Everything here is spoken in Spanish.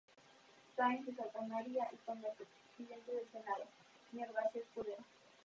Sáenz de Santamaría y con el Presidente del Senado, Sr. García Escudero.